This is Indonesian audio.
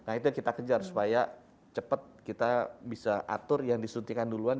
nah itu yang kita kejar supaya cepat kita bisa atur yang disuntikan duluan